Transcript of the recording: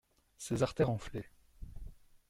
Ses artères enflaient.